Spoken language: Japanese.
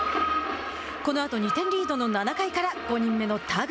このあと２点リードの７回から５人目の田口。